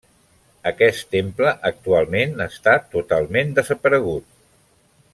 Aquest temple actualment està totalment desaparegut.